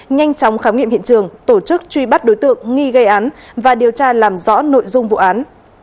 nhanh chóng khám nghiệm hiện trường tổ chức truy bắt đối tượng nghi gây án và điều tra làm rõ nội dung vụ án